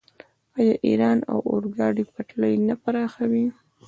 آیا ایران د اورګاډي پټلۍ نه پراخوي؟